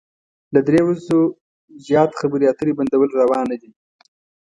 له درې ورځو زيات خبرې اترې بندول روا نه ده.